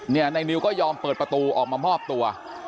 นายนิวก็ยอมเปิดประตูออกมามอบตัว